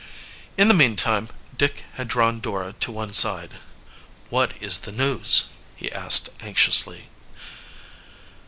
In the meantime Dick had drawn Dora to one side. "What is the news?" he asked anxiously.